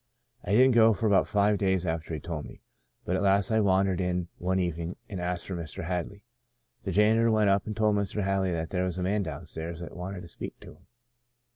I didn't go for about five days after he told me, but at last I wandered in one evening, and asked for Mr. Hadley. The janitor went up and told Mr. Hadley that there was a man down stairs that wanted to speak to him.